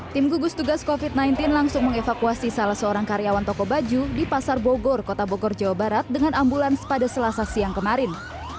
tim gugus tugas covid sembilan belas langsung mengevakuasi salah seorang karyawan toko baju di pasar bogor kota bogor jawa barat dengan ambulans pada selasa siang kemarin